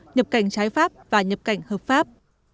nhập cảnh trái pháp và nhập cảnh hợp pháp